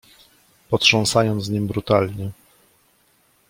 potrząsając nim brutalnie....